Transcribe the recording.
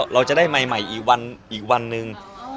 เราจะได้ใหม่อีกวันหนึ่ง